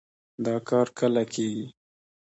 دا کار کله کېږي؟